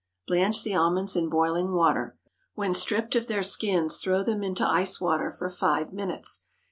Blanch the almonds in boiling water. When stripped of their skins, throw them into ice water for five minutes.